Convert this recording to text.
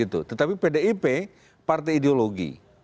tetapi pdip partai ideologi